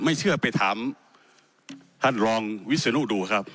ไม่เชื่อไปถามท่านรองวิศนุดูครับ